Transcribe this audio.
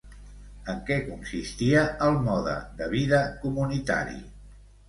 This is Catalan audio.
En què consistia el mode de vida comunitari?